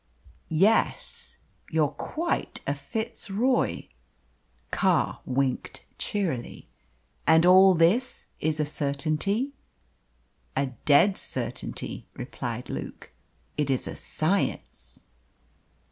"Yes. You're quite a Fitzroy." Carr winked cheerily. "And all this is a certainty?" "A dead certainty," replied Luke. "It is a science."